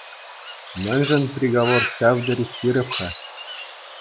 Мӗншӗн приговор ҫав тери ҫирӗп-ха?